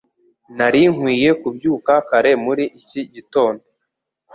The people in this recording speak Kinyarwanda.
Nari nkwiye kubyuka kare muri iki gitondo